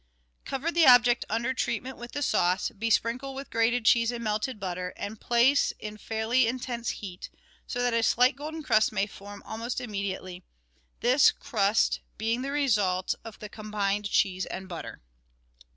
Cover the object under treatment with the sauce, be sprinkle with grated cheese and melted butter, and place in fairly intense heat, so that a slight golden crust may form almost immediately, this crust being the result of the combined cheese and butter.